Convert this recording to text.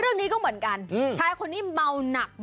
เรื่องนี้ก็เหมือนกันชายคนนี้เมาหนัก